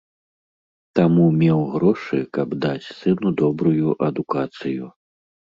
Таму меў грошы, каб даць сыну добрую адукацыю.